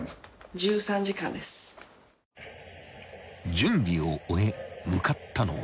［準備を終え向かったのは］